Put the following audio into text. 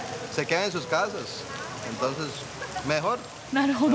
なるほど。